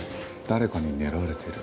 誰かに狙われている！」